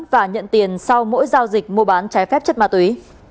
và nhận tiền sau mỗi giao dịch mua bán trái phép chất ma túy